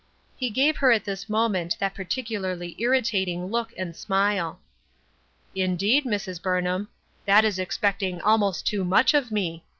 He gave her at this mo ment that peculiarly irritating look and smile. "Indeed, Mrs. Burnham, that is expecting al most too much of me.